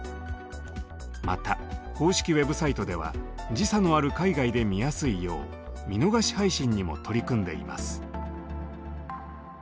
また公式ウェブサイトでは時差のある海外で見やすいよう見逃し配信にも取り組んでいます。